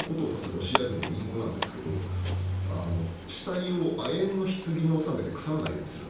ロシア軍の隠語なんですが死体を亜鉛のひつぎに納めて腐らないようにする。